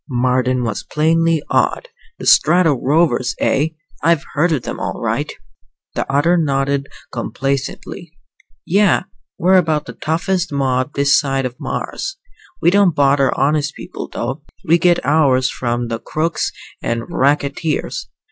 Marden was plainly awed. "The Strato Rovers, eh? I've heard of them, all right." The other nodded complacently. "Yeah. We're about the toughest mob this side of Mars. We don't bother honest people, though. We get ours from the crooks and racketeers.